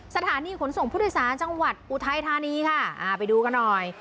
สถานีขนส่งผู้โดยสารจังหวัดอุทัยธานีค่ะอ่าไปดูกันหน่อย